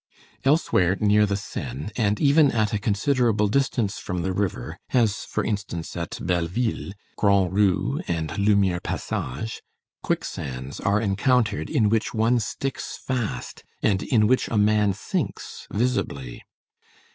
Elsewhere near the Seine, and even at a considerable distance from the river, as for instance, at Belleville, Grand Rue and Lumière Passage, quicksands are encountered in which one sticks fast, and in which a man sinks visibly.